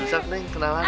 jangan lupa neng kenalan